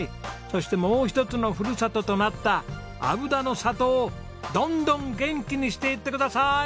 そしてもう一つのふるさととなったあぶだの里をどんどん元気にしていってください。